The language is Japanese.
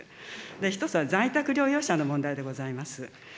１つは在宅療養者の問題でございます。